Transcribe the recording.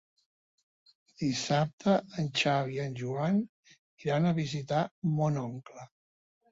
Dissabte en Xavi i en Joan iran a visitar mon oncle.